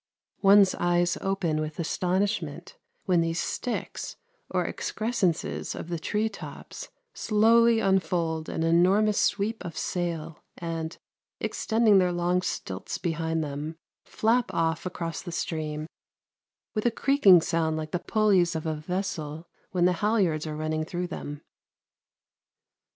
One's eyes open with astonishment when these sticks or excrescences of the tree tops slowly unfold an enormous sweep of sail and, extending their long stilts behind them, flap off across the stream with a creaking sound like the pulleys of a vessel when the halliards are running through them.